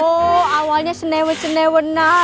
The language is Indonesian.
oh awalnya senewen senewen lah